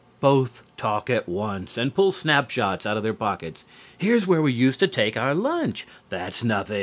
Both talk at once and pull snap shots out of their pockets. "Here's where we used to take our lunch " "That's nothing.